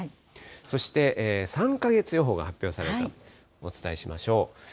そして、３か月予報が発表されたので、お伝えしましょう。